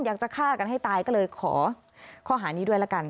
อยากจะฆ่ากันให้ตายก็เลยขอข้อหานี้ด้วยละกัน